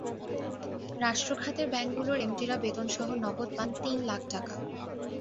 রাষ্ট্র খাতের ব্যাংকগুলোর এমডিরা বেতনসহ নগদ পান তিন লাখ টাকা।